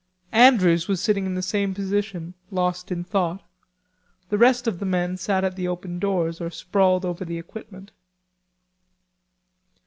Andrews was sitting in the same position, lost in thought. The rest of the men sat at the open doors or sprawled over the equipment.